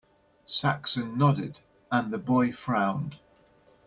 Saxon nodded, and the boy frowned.